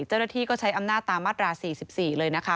เจ้าหน้าที่ก็ใช้อำนาจตามมาตรา๔๔เลยนะคะ